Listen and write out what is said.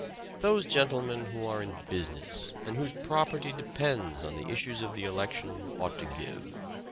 Those gentlemen who are in business, and whose property de pends on the issues of the election, ought to give.